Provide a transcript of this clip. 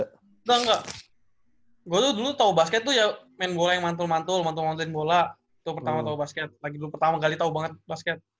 gue tuh engga gue tuh dulu tau basket tuh ya main bola yang mantul mantul mantul mantulin bola itu pertama tau basket lagi dulu pertama kali tau banget basket